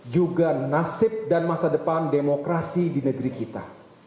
juga nasib dan masa depan demokrasi di negeri kita